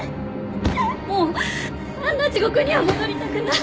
もうあんな地獄には戻りたくない。